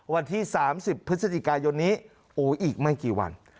วันที่๓๐พฤศจิกายนอีกไม่กี่วัน